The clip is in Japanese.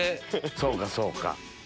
そうかそうか。